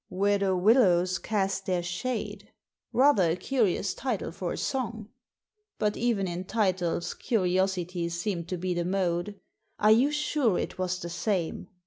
"* Where the Willows cast their Shade '— ^rather a curious title for a song ; but, even in titles, curiosities seem to be the mode. Are you sure it was the same